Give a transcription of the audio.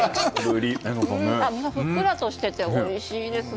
身がふっくらとしていておいしいです。